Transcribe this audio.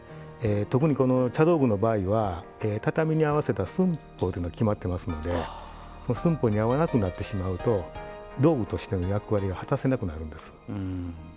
特にこの茶道具の場合は畳に合わせた寸法というのが決まってますので寸法に合わなくなってしまうと道具としての役割が果たせなくなるんです。